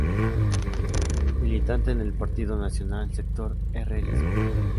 Militante en el Partido Nacional, sector Herrerismo.